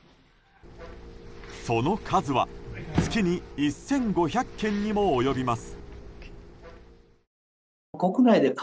その数は月に１５００件にも及びます。